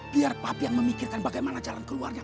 biar papi yang memikirkan bagaimana jalan keluarnya